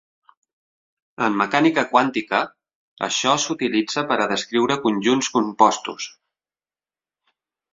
En mecànica quàntica, això s'utilitza per a descriure conjunts compostos.